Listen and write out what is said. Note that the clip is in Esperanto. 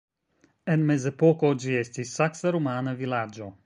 En mezepoko ĝi estis saksa-rumana vilaĝo.